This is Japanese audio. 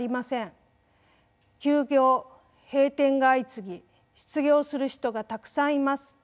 休業閉店が相次ぎ失業する人がたくさんいます。